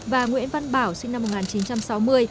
và nguyễn văn bảo sinh năm một nghìn chín trăm sáu mươi